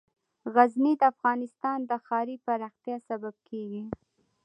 غزني د افغانستان د ښاري پراختیا سبب کېږي.